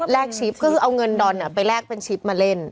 ชิปก็คือเอาเงินดอนไปแลกเป็นชิปมาเล่น